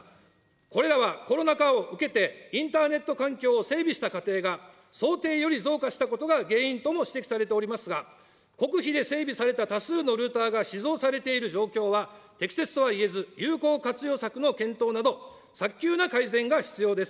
これらはコロナ禍を受けて、インターネット環境を整備した家庭が、想定より増加したことが原因とも指摘されておりますが、国費で整備された多数のルータが死蔵されている状況は、適切とはいえず、有効活用策の検討など、早急な改善が必要です。